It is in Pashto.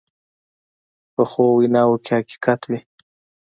پخو ویناوو کې حقیقت وي